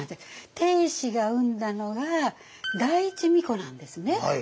定子が産んだのが第一皇子なんですね。